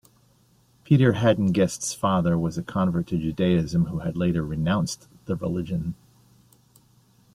Peter Haden-Guest's father was a convert to Judaism who had later "renounced" the religion.